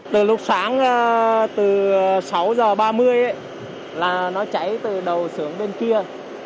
từ lúc sáng từ sáu h ba mươi là nó cháy từ đầu sưởng bên kia